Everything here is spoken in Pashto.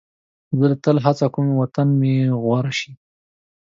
زه تل هڅه کوم وطن مې غوره شي.